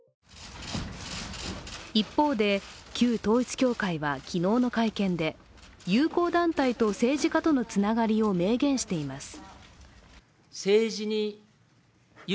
一方で、旧統一教会は昨日の会見で友好団体と政治家とのつながりを明言しています。